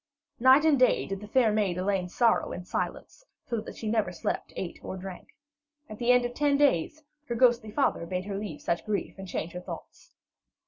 Night and day did the fair maid Elaine sorrow in silence, so that she never slept, ate or drank. At the end of ten days her ghostly father bade her leave such grief and change her thoughts.